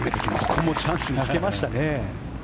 ここもチャンスにつけましたね。